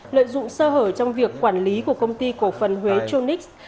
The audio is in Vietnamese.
lợi dụng sơ hở trong việc quản lý của công ty cổ phần huế chonix